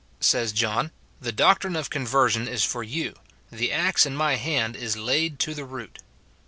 Says John, " The doctrine of conversion is for you; the axe in my hand is laid to the root."